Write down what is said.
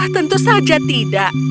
tentu saja tidak